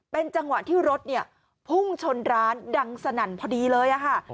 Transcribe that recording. เป็นจังหวะที่รถเนี่ยพุ่งชนร้านดังสนั่นพอดีเลยค่ะ